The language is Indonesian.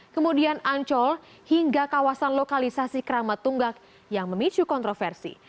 kemudian ancol hingga kawasan lokalisasi keramat tunggak yang memicu kontroversi